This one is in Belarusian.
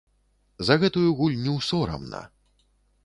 За гэтую гульню сорамна.